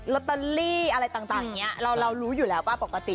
ลอตเตอรี่อะไรต่างนี้เรารู้อยู่แล้วว่าปกติ